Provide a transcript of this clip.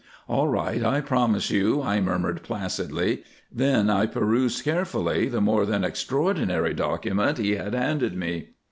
"All right, I promise you," I murmured placidly. Then I perused carefully the more than extraordinary document he had handed me.